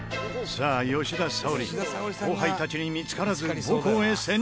さあ吉田沙保里後輩たちに見付からずに母校へ潜入できるか？